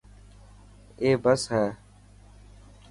اي بس هي.